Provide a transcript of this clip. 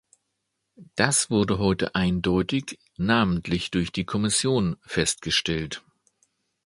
Das wurde heute eindeutig, namentlich durch die Kommission, festgestellt.